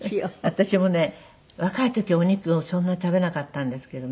私もね若い時お肉をそんなに食べなかったんですけどね